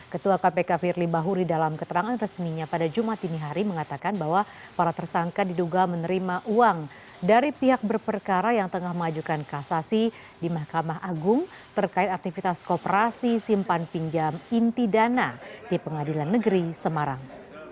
ketua kpk firly bahuri dalam keterangan resminya pada jumat ini hari mengatakan bahwa para tersangka diduga menerima uang dari pihak berperkara yang tengah mengajukan kasasi di mahkamah agung terkait aktivitas koperasi simpan pinjam inti dana di pengadilan negeri semarang